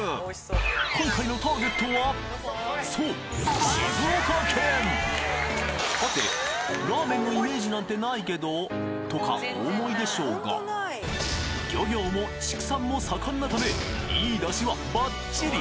今回のターゲットはそうはてラーメンのイメージなんて無いけど？とかお思いでしょうが漁業も畜産も盛んなため良いだしはバッチリ！